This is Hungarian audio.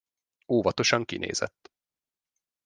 Óvatosan kinézett.